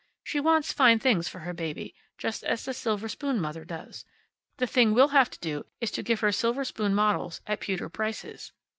She wants fine things for her baby, just as the silver spoon mother does. The thing we'll have to do is to give her silver spoon models at pewter prices."